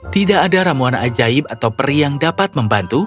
tidak ada ramuan ajaib atau peri yang dapat membantu